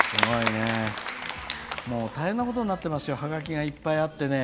大変なことになってますよハガキがいっぱいあってね。